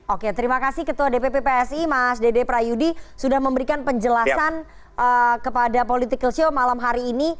oke terima kasih ketua dpp psi mas dede prayudi sudah memberikan penjelasan kepada political show malam hari ini